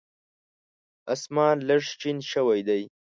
اسمان لږ شین شوی دی .